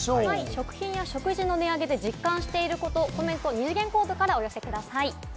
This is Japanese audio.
食品や食事の値上げで実感していること、コメントを二次元コードからお寄せください。